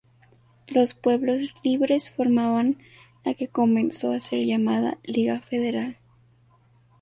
Los "pueblos libres" formaban la que comenzó a ser llamada Liga Federal.